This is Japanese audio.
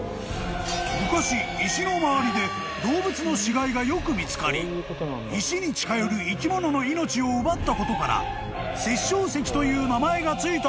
［昔石の周りで動物の死骸がよく見つかり石に近寄る生き物の命を奪ったことから殺生石という名前が付いたんだそう］